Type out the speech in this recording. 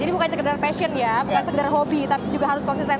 jadi bukan sekedar fashion ya bukan sekedar hobi tapi juga harus konsisten